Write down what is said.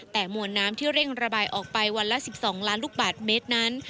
แต่มวลน้ำที่เร่งระบายออกไปวันละ๑๒ล้านลูกบาทเมตรนั้น